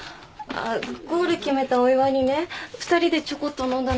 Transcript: あゴール決めたお祝いにね２人でちょこっと飲んだんだけど。